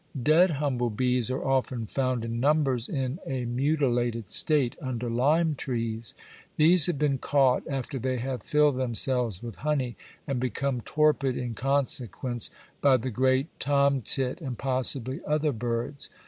Dead humble bees are often found in numbers in a mutilated state, under lime trees. These have been caught after they have filled themselves with honey, and become torpid in consequence, by the great tomtit and possibly other birds.